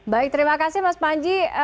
baik terima kasih mas panji